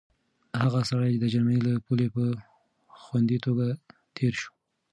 هغه سړی د جرمني له پولې په خوندي توګه تېر شو.